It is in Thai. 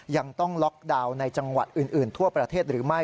ยังต้องล็อกดาวน์ในจังหวัดอื่นทั่วประเทศหรือไม่